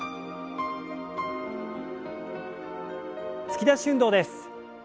突き出し運動です。